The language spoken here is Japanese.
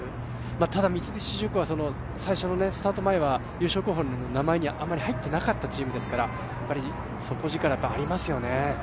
ただ、三菱重工はスタート前は優勝候補の名前にあまり入ってなかったチームですから、底力ありますよね。